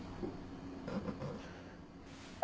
あ！